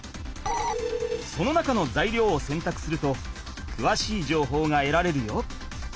その中のざいりょうをせんたくするとくわしいじょうほうがえられるよ。